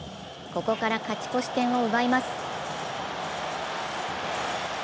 ここから勝ち越し点を奪います。